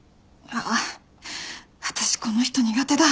あっ私この人苦手だ